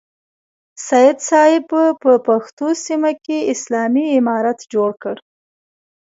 سید صاحب په پښتنو سیمه کې اسلامي امارت جوړ کړ.